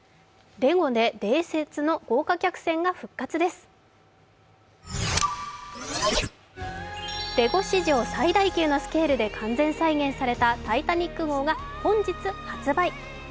レゴ史上最大級のスケールで完全再現された「タイタニック号」が本日発売。